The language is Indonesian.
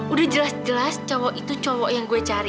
udah jelas jelas cowok itu cowok yang gue cari